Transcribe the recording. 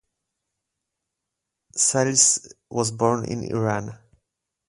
Salles was born in Iran.